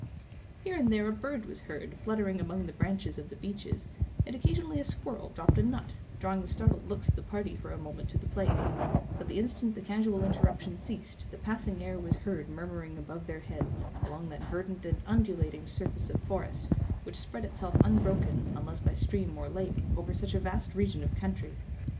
Here and there a bird was heard fluttering among the branches of the beeches, and occasionally a squirrel dropped a nut, drawing the startled looks of the party for a moment to the place; but the instant the casual interruption ceased, the passing air was heard murmuring above their heads, along that verdant and undulating surface of forest, which spread itself unbroken, unless by stream or lake, over such a vast region of country.